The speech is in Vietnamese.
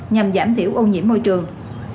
nhằm giảm thiểu ô nhiễm môi trường